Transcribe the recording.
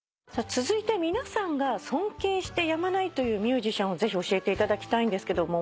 続いて皆さんが尊敬してやまないというミュージシャンをぜひ教えていただきたいんですけども。